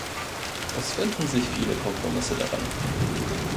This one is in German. Es finden sich viele Kompromisse darin.